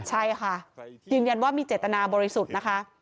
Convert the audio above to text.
ใช่ค่ะยืนยันว่ามีเจตนาบริสุทธิ์นะคะ